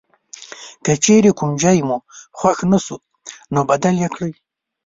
که چیرې کوم ځای مو خوښ نه شو نو بدل یې کړئ.